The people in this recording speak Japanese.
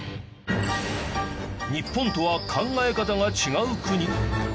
日本とは考え方が違う国。